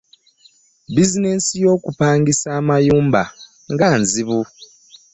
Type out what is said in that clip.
Bizinensi yo kupangisa amagumba nga nzibu.